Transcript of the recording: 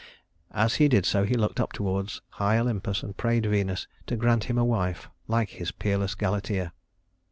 As he did so he looked up toward high Olympus and prayed Venus to grant him a wife like his peerless Galatea.